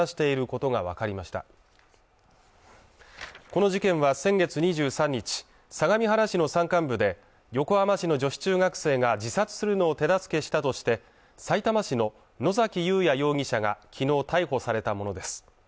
この事件は先月２３日相模原市の山間部で横浜市の女子中学生が自殺するのを手助けしたとしてさいたま市の野崎祐也容疑者が昨日逮捕されたものです